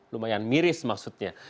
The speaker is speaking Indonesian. lumayan miris maksudnya